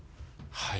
はい。